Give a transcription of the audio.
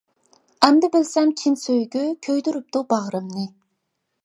ئەمدى بىلسەم چىن سۆيگۈ، كۆيدۈرۈپتۇ باغرىمنى.